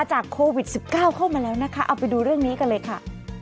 จากโควิด๑๙เข้ามาแล้วนะคะเอาไปดูเรื่องนี้กันเลยค่ะ